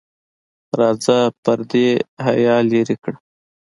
راځه پردې او حیا لرې کړه.